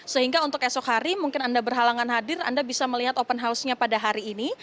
sehingga untuk esok hari mungkin anda berhalangan hadir anda bisa melihat open house nya pada hari ini